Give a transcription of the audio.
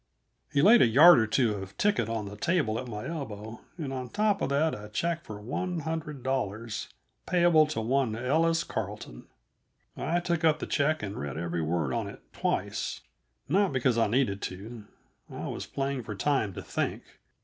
He laid a yard or two of ticket on the table at my elbow, and on top of that a check for one hundred dollars, payable to one Ellis Carleton. I took up the check and read every word on it twice not because I needed to; I was playing for time to think.